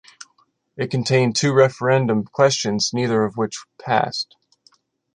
It contained two referendum questions, neither of which passed.